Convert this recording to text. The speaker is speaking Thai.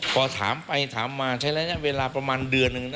พอถามไปถามมาใช้ระยะเวลาประมาณเดือนหนึ่ง